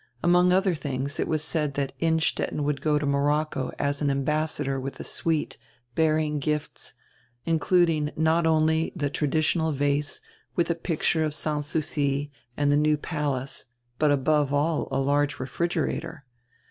Among other tilings it was said that Innstetten would go to Morocco as an ambassador with a suite, bearing gifts, including not only the traditional vase with a picture of Sans Souci and the New Palace, but above all a large refrigerator.